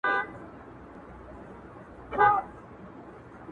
دا دي کټ دا دي پوزى، دا دي پوله دا پټى.